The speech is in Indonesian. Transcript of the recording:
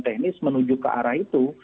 teknis menuju ke arah itu